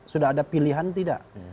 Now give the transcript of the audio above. sudah ada pilihan tidak